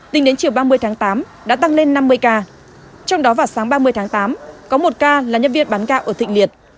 tính đến chiều ba mươi tháng tám đã tăng lên năm mươi ca trong đó vào sáng ba mươi tháng tám có một ca là nhân viên bán gạo ở thịnh liệt